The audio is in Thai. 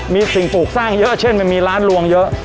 มีสิ่งปลูกสร้างเยอะเช่นมันมีร้านลวงเยอะ